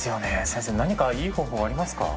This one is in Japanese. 先生何かいい方法ありますか？